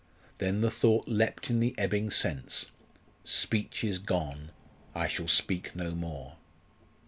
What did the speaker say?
Then the thought leapt in the ebbing sense, "Speech is gone; I shall speak no more!"